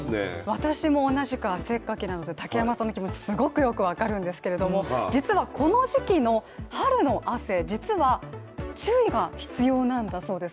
渡しも同じく汗っかきなので竹山さんの気持ちすごくよく分かるんですけれども実はこの時期の、春の汗実は注意が必要なんだそうです。